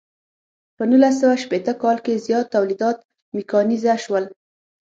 په نولس سوه شپیته کال کې زیات تولیدات میکانیزه شول.